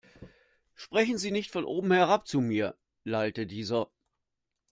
Sprechen Sie nicht von oben herab zu mir, lallte dieser.